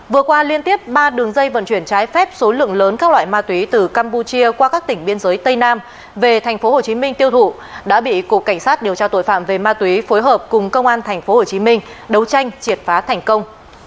vừa qua liên tiếp ba đường dây vận chuyển trái phép số lượng lớn các loại ma túy từ campuchia qua các tỉnh biên giới tây nam về tp hcm tiêu thụ đã bị cục cảnh sát điều tra tội phạm về ma túy phối hợp cùng công an tp hcm đấu tranh triệt phá thành công